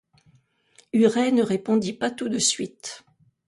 Huret ne répondit pas tout de suite.